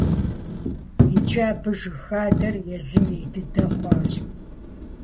Иджы абы жыг хадэр езым ей дыдэ хъуащ.